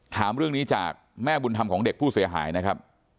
ถามเรื่องนี้จากแม่บุญธรรมของเด็กผู้เสียหายนะครับ